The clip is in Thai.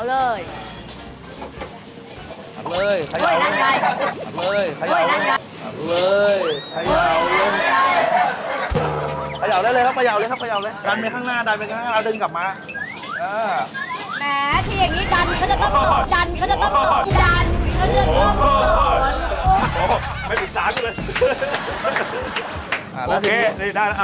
แล้วเราก็ใส่ผักกับบุ้นเต้น